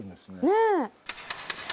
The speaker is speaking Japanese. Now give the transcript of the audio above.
ねえ。